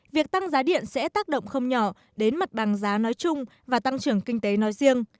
việc tăng giá điện sẽ tác động không nhỏ đến mặt bằng giá nói chung và tăng trưởng kinh tế nói riêng